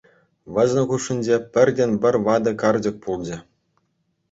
Вӗсен хушшинче пӗртен-пӗр ватӑ карчӑк пулчӗ.